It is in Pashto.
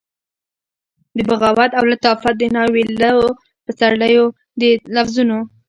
د بغاوت او لطافت د ناویلو پسرلیو د لفظونو،